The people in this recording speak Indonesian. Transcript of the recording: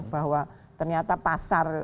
bahwa ternyata pasar